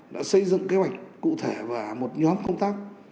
đã xây dựng kế hoạch cụ thể và một nhóm công tác